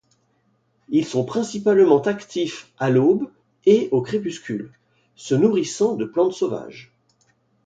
Ils sont principalement actifs à l'aube et au crépuscule, se nourrissant de plantes sauvages.